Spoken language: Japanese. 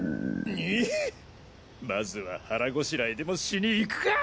まずは腹ごしらえでもしに行くか！